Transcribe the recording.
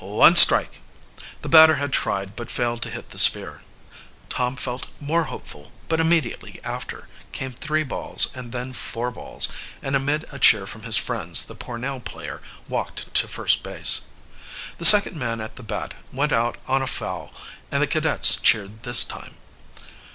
"One strike!" The batter had tried, but failed to hit the sphere. Tom felt more hopeful, but immediately after came three balls and then four balls, and amid a cheer from his friends the Pornell player walked to first base. The second man at the bat went out on a foul, and the cadets cheered this time.